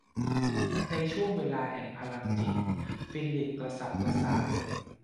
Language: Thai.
ในช่วงเวลาแห่งพลังจิตฟิลิปกระสับกระส่าย